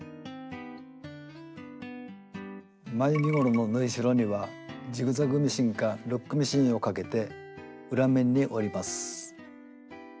前身ごろの縫いしろにはジグザグミシンかロックミシンをかけて裏面に折ります。